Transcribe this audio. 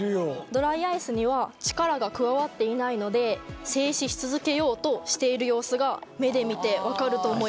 ドライアイスには力が加わっていないので静止し続けようとしている様子が目で見て分かると思います。